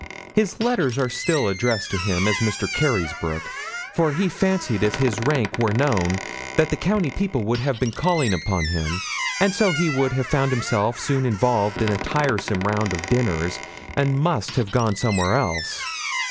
His letters are still addressed to him as Mr. Carysbroke; for he fancied if his rank were known, that the county people would have been calling upon him, and so he would have found himself soon involved in a tiresome round of dinners, and must have gone somewhere else.